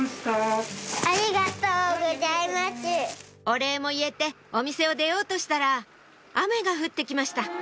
お礼も言えてお店を出ようとしたら雨が降って来ました